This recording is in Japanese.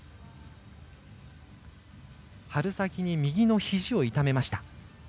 春先に右のひじを痛めました。